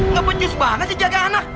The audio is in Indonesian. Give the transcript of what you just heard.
nggak pecus banget sih jaga anak